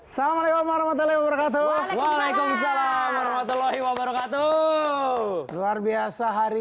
sama lewat mata lewat atuh waalaikumsalam warahmatullahi wabarakatuh luar biasa hari